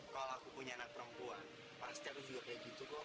kalau aku punya anak perempuan pasti aku juga kayak gitu kok